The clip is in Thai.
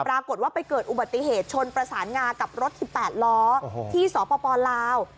ปรากฏว่าไปเกิดอุบัติเหตุชนประสานงากับรถ๑๘ล้อที่สปลาว